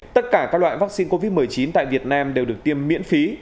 tất cả các loại vaccine covid một mươi chín tại việt nam đều được tiêm miễn phí